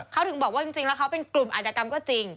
เขาถึงบอกว่าจริงแล้วเขาเป็นกลุ่มอาจกรรมก็จริง